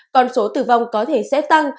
còn số tử vong có thể sẽ tăng